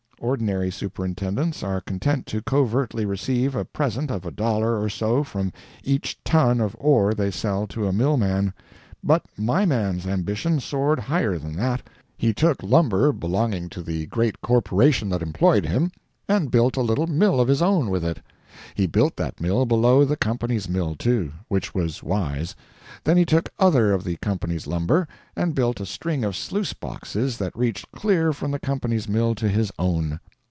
Ordinary superintendents are content to covertly receive a present of a dollar or so from each ton of ore they sell to a mill man; but my man's ambition soared higher than that. He took lumber belonging to the great corporation that employed him, and built a little mill of his own with it. He built that mill below the company's mill, too, which was wise. Then he took other of the company's lumber, and built a string of sluice boxes that reached clear from the company's mill to his own.